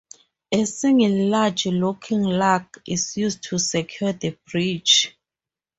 A single large locking lug is used to secure the breech.